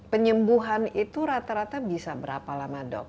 penyembuhan itu rata rata bisa berapa lama dok